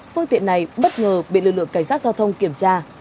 phương tiện này bất ngờ bị lực lượng cảnh sát giao thông kiểm tra